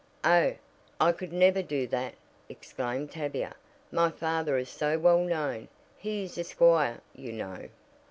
"Oh, I could never do that!" exclaimed Tavia. "My father is so well known; he is a squire, you know."